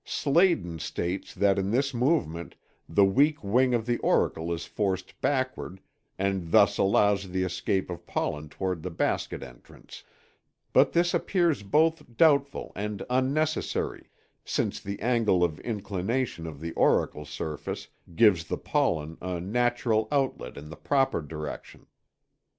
Sladen (1911) states that in this movement the weak wing of the auricle is forced backward, and thus allows the escape of pollen toward the basket entrance, but this appears both doubtful and unnecessary, since the angle of inclination of the auricular surface gives the pollen a natural outlet in the proper direction.